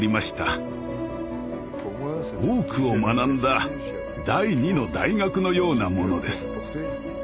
多くを学んだ第二の大学のようなものです。